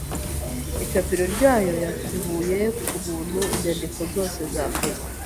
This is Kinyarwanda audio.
icapiro ryayo yatubuye ku buntu inyandiko zose zakozwe